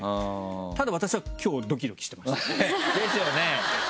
ただ私は今日ドキドキしてました。ですよね。